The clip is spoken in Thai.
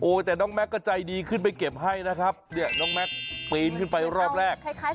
แต่น้องแม็กซก็ใจดีขึ้นไปเก็บให้นะครับเนี่ยน้องแม็กซ์ปีนขึ้นไปรอบแรก